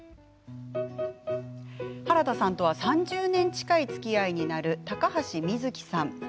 原田さんとは３０年近いつきあいになる高橋瑞木さん。